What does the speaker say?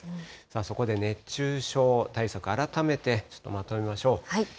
そこで熱中症対策、改めてまとめましょう。